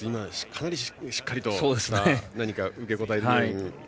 かなりしっかりとした受け答えでしたね。